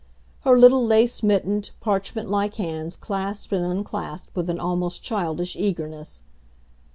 Her little lace mittened, parchment like hands clasped and unclasped with an almost childish eagerness.